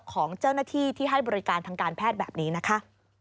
ของเจ้าหน้าที่ที่ให้บริการทางการแพทย์แบบนี้นะคะ